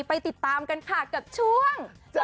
ไปติดตามกันค่ะกับช่วง